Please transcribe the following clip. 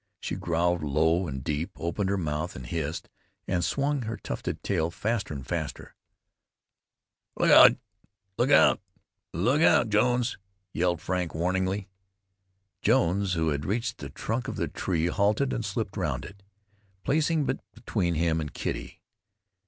She growled low and deep, opened her mouth and hissed, and swung her tufted tail faster and faster. "Look out, Jones! look out!" yelled Frank warningly. Jones, who had reached the trunk of the tree, halted and slipped round it, placing it between him and Kitty.